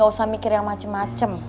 gak usah mikir yang macem macem